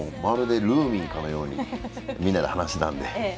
まるでルーミーかのようにみんなで話していたので。